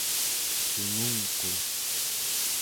tungungqu